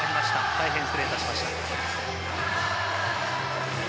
大変失礼いたしました。